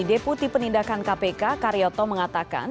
deputi penindakan kpk karyoto mengatakan